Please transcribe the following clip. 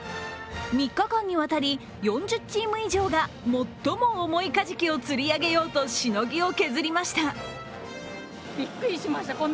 ３日間にわたり、４０チーム以上が最も重いカジキを釣り上げようとしのぎを削りました。